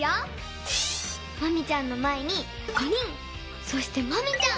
マミちゃんのまえに５人そしてマミちゃん。